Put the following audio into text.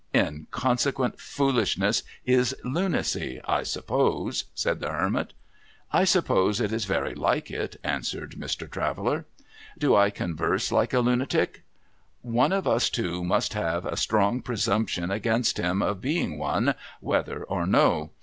' Inconsequent foolishness is lunacy, I suppose ?' said the Hermit. ' I suppose it is very like it,' answered Mr. Traveller. ' Do I converse like a lunatic ?'' One of us two must have a strong presumption' against him of being one, whether or no.